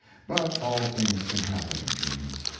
But all things can happen in dreams.